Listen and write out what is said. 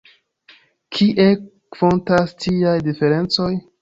Kie fontas tiaj diferencoj?